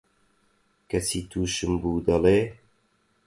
کەچی تووشم بوو، دەڵێ: